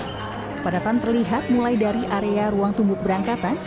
kepadatan terlihat mulai dari area ruang tungguk berangkatan